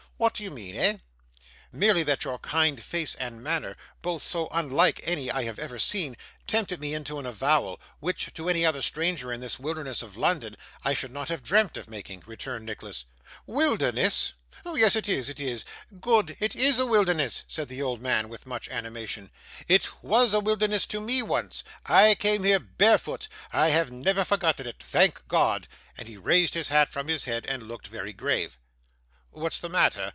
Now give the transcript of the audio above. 'What d'ye mean, eh?' 'Merely that your kind face and manner both so unlike any I have ever seen tempted me into an avowal, which, to any other stranger in this wilderness of London, I should not have dreamt of making,' returned Nicholas. 'Wilderness! Yes, it is, it is. Good! It IS a wilderness,' said the old man with much animation. 'It was a wilderness to me once. I came here barefoot. I have never forgotten it. Thank God!' and he raised his hat from his head, and looked very grave. 'What's the matter?